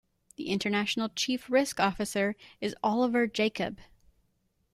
The international Chief Risk Officer is Oliver Jakob.